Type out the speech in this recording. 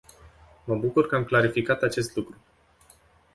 Mă bucur că am clarificat acest lucru.